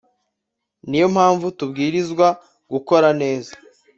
Ni yo mpamvu tubwirizwa gukora neza